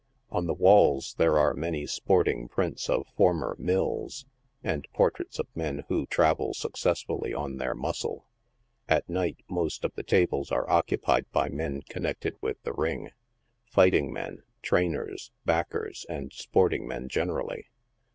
On the walls there are many sporting prints of former " mills," and portraits of men who travel successfully on their muscle. At night most of the tables are occupied by men connected with the ring — fighting men, trainers, backers, and sporting men generally.